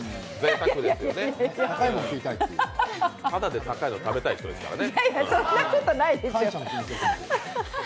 ただで高いのを食べたい人ですからね。